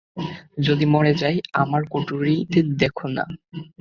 যদি মরে যাই, আমার কুঠরিতে দেখো না!